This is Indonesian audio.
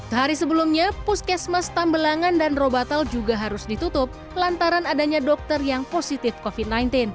sehari sebelumnya puskesmas tambelangan dan robatal juga harus ditutup lantaran adanya dokter yang positif covid sembilan belas